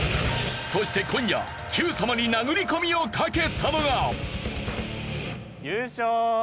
そして今夜『Ｑさま！！』に殴り込みをかけたのが。